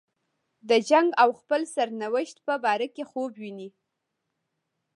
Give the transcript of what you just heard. د جنګ او خپل سرنوشت په باره کې خوب ویني.